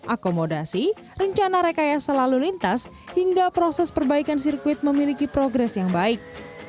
akomodasi rencana rekayasa lalu lintas hingga proses perbaikan sirkuit memiliki progres yang baik